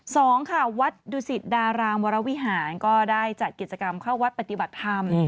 สองค่ะวัดดุสิตดารามวรวิหารก็ได้จัดกิจกรรมเข้าวัดปฏิบัติธรรม